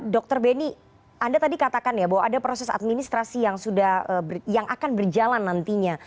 dr beni anda tadi katakan ya bahwa ada proses administrasi yang akan berjalan nantinya